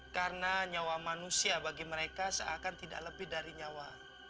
karena nyawa manusia bagi mereka seakan tidak lebih dari nyawa